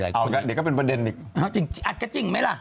เดี๋ยวก็เป็นประเด็นอีกอัดก็จริงไหมล่ะ